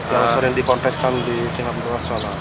yang sering diponteskan di kina pembangunan sola